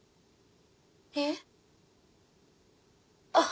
えっ？